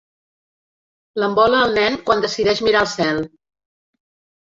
L'envola el nen quan decideix mirar el cel.